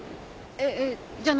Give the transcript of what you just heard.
えっじゃあ何？